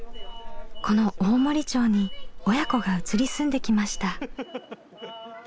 この大森町に親子が移り住んできました。